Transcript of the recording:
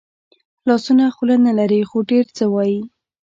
لاسونه خوله نه لري خو ډېر څه وايي